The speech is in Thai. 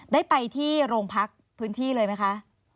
ได้ไปที่โรงพักพื้นที่เลยไหมคะ